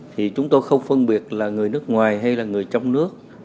thì chúng tôi không phân biệt là người nước ngoài hay là người trong nước